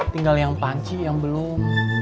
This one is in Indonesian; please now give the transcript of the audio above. tinggal yang panci yang belum